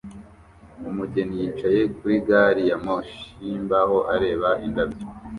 Umugeni yicaye kuri gari ya moshi yimbaho areba indabyo